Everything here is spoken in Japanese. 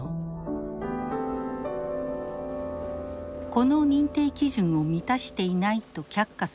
この認定基準を満たしていないと却下された管さん。